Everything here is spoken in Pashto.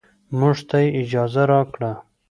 موږ ته يې اجازه راکړه.